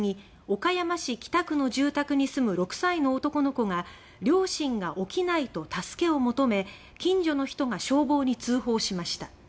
岡山市北区の住宅に住む６歳の男の子が「両親が起きない」と助けを求め近所の人が消防に通報しました。